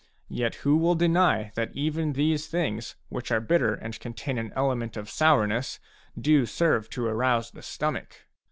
Yet who will deny that even these things, which are bitter and contain an element of sourness, do serve to arouse the stomach